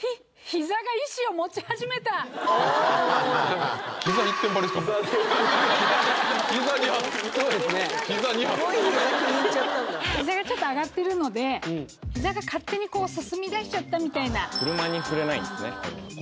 膝がちょっと上がってるので膝が勝手に進みだしちゃったみたいなこれがいいですよね